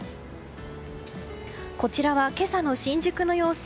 こちらは今朝の新宿の様子。